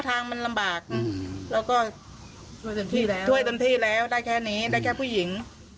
ทางมันลำบากเราก็ช่วยจนที่แล้วได้แค่นี้ได้แค่ผู้หญิง